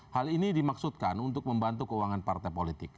hal ini dimaksudkan untuk membantu keuangan partai politik